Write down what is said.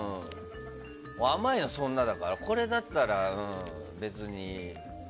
甘いのそんなだからこれだったら別に。